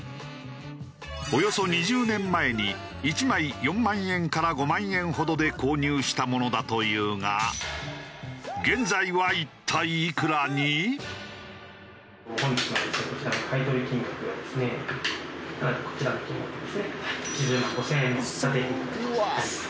およそ２０年前に１枚４万円から５万円ほどで購入したものだというが現在はこちらの金額ですね。